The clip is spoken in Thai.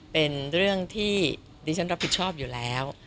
เป็นเรื่องที่ดิฉันรับผิดชอบอยู่แล้ว